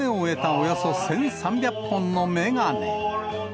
およそ１３００本の眼鏡。